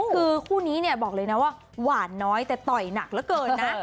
คือคู่นี้เนี่ยบอกเลยนะว่าหวานน้อยแต่ต่อยหนักเหลือเกินนะ